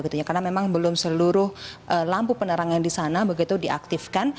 karena memang belum seluruh lampu penerangan di sana diaktifkan